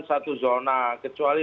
satu zona kecuali